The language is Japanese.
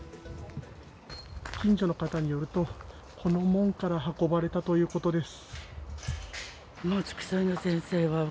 近所の方によると、この門から運ばれたということです。